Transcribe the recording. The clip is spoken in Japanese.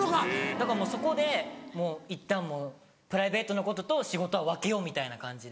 だからもうそこでいったんプライベートのことと仕事は分けようみたいな感じで。